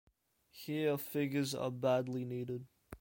Here, figures are badly needed.